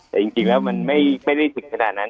แต่จริงแล้วมันไม่ได้ถึงขนาดนั้น